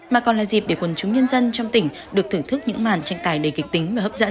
mà còn là dịp để quần chúng nhân dân trong tỉnh được thưởng thức những màn tranh tài đầy kịch tính và hấp dẫn